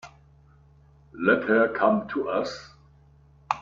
Let her come to us.